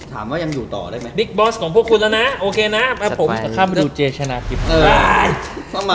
ถามว่ายังอยู่ต่อได้ไหมบิ๊กบอสของพวกคุณแล้วนะโอเคนะผมจะเข้ามาดูเจชนะทิพย์